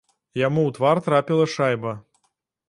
Яму у твар трапіла шайба.